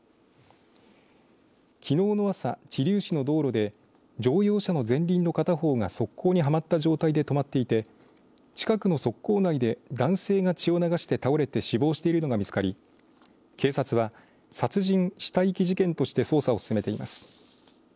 きのうの朝、知立市の道路で乗用車の前輪の片方が側溝にはまった状態で止まっていて近くの側溝内で男性が血を流して倒れて死亡しているのが見つかり警察は殺人、死体遺棄事件として捜査を進めています。